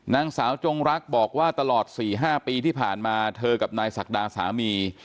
นางสาวจงรักบอกว่าตลอด๔๕ปีที่ผ่านมาเธอกับนายศักดาสามี